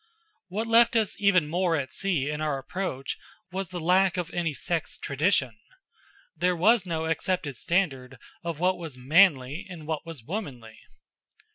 What left us even more at sea in our approach was the lack of any sex tradition. There was no accepted standard of what was "manly" and what was "womanly."